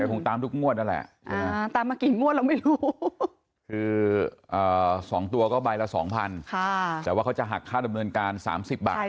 คงตามทุกงวดนั่นแหละตามมากี่งวดเราไม่รู้คือ๒ตัวก็ใบละ๒๐๐แต่ว่าเขาจะหักค่าดำเนินการ๓๐บาท